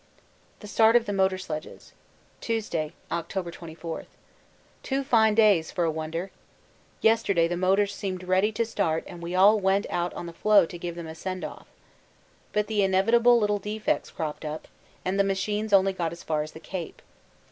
The Start of the Motor Sledges Tuesday, October 24. Two fine days for a wonder. Yesterday the motors seemed ready to start and we all went out on the floe to give them a 'send off.' But the inevitable little defects cropped up, and the machines only got as far as the Cape.